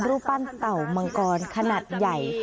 รูปปั้นเต่ามังกรขนาดใหญ่